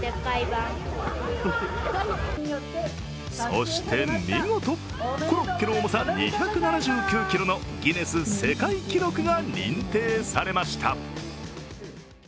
そして見事、コロッケの重さ２７９ｋｇのギネス世界記録が認定されました。